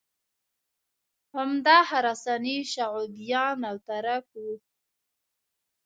عمده خراساني شعوبیان او ترک وو